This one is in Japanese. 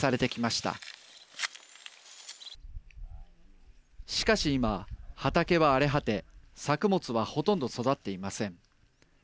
しかし今、畑は荒れ果て作物はほとんど育っていません。